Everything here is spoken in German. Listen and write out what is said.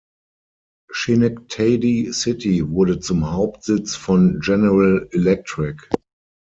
Schenectady City wurde zum Hauptsitz von General Electric.